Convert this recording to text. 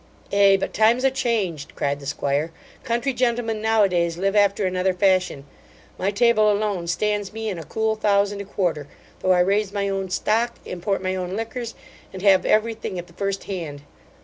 'Ay; but times are changed (cried the 'squire) Country gentlemen now a days live after another fashion. My table alone stands me in a cool thousand a quarter, though I raise my own stock, import my own liquors, and have every thing at the first hand.